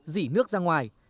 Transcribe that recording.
dỉ nước ra ngoài